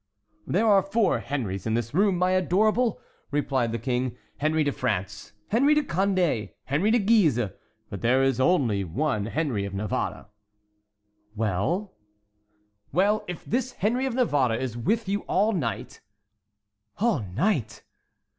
"There are four Henrys in this room, my adorable!" replied the king, "Henry de France, Henry de Condé, Henry de Guise, but there is only one Henry of Navarre." "Well?" "Well; if this Henry of Navarre is with you all night"— "All night!"